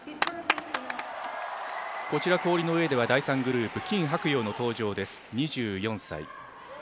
こちら、氷の上では第３グループ金博洋の登場です、２４歳。